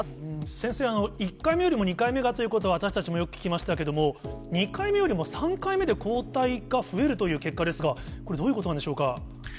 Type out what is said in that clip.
先生、１回目よりも２回目がということは私たちもよく聞きましたけれども、２回目よりも３回目で抗体が増えるという結果ですが、これ、どういうことなんでしょうか。